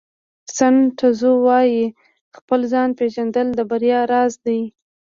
سن ټزو وایي خپل ځان پېژندل د بریا راز دی.